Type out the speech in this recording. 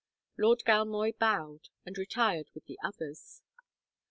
Lord Galmoy bowed, and retired with the others.